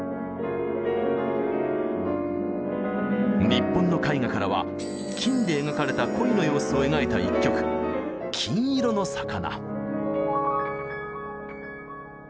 日本の絵画からは金で描かれた鯉の様子を描いた一曲「金色の魚」。